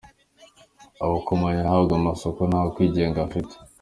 Amakompanyi ahabwa amasoko nta kwigenga afite.